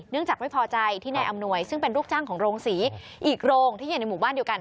จากไม่พอใจที่นายอำนวยซึ่งเป็นลูกจ้างของโรงศรีอีกโรงที่อยู่ในหมู่บ้านเดียวกัน